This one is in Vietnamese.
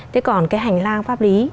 thế còn cái hành lang pháp lý